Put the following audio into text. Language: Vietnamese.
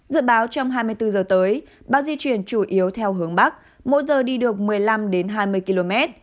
dự báo trong hai mươi bốn h tới bão di chuyển chủ yếu theo hướng bắc mỗi giờ đi được một mươi năm hai mươi km